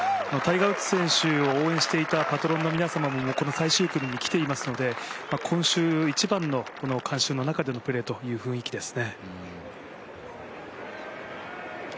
タイガー・ウッズ選手を応援していたパトロンの皆様も最終組に来ていますので今週一番の観衆の中でのプレーという雰囲気ですね。